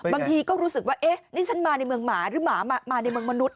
บางทีก็รู้สึกว่าเอ๊ะนี่ฉันมาในเมืองหมาหรือหมามาในเมืองมนุษย